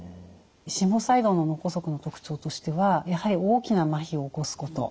心房細動の脳梗塞の特徴としてはやはり大きなまひを起こすこと。